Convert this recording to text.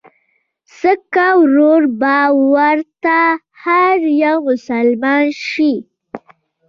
سکه ورور به ورته هر يو مسلمان شي